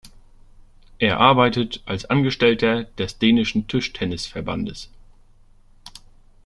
Er arbeitet als Angestellter des dänischen Tischtennis-Verbandes.